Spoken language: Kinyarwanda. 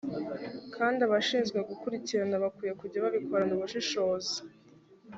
kandi abashinzwe gukurikirana bakwiye kujya babikorana ubushishozi